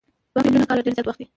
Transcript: دوه میلیونه کاله ډېر زیات وخت دی.